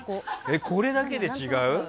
これだけで違う？